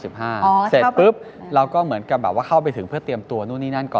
เสร็จปุ๊บเราก็เหมือนกับแบบว่าเข้าไปถึงเพื่อเตรียมตัวนู่นนี่นั่นก่อน